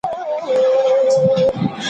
مشران کله د مطبوعاتو ازادي تضمینوي؟